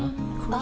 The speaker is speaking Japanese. あ！